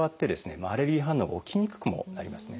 アレルギー反応が起きにくくもなりますね。